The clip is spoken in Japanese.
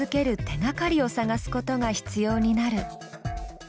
手がかりを探すことが必要になる。